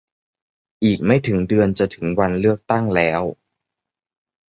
อีกไม่ถึงเดือนจะถึงวันเลือกตั้งแล้ว !